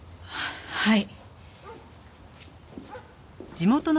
はい。